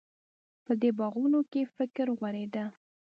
په دې باغونو کې فکر غوړېده.